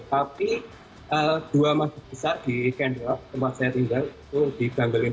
tapi dua mas besar di kendra tempat saya tinggal itu di ganggeling